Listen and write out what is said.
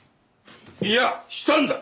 いやしたんだ。